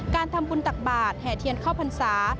การทำบุญตักบาทแห่เทียนเข้าพรรษา